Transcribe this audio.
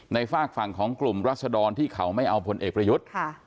ฝากฝั่งของกลุ่มรัศดรที่เขาไม่เอาพลเอกประยุทธ์